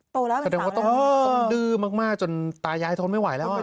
ต้องดื้อมากจนตายายทนไม่ไหวแล้ว